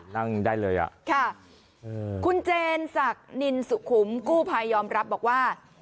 นั่งได้เลยอ่ะค่ะคุณเจนศักดิ์นินสุขุมกู้ภัยยอมรับบอกว่า